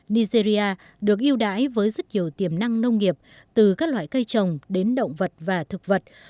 nigeria được yêu đái với rất nhiều tiềm năng nông nghiệp từ các loại cây trồng đến động vật và thực vật